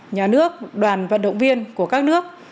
nhà nước đoàn vận động viên của các nước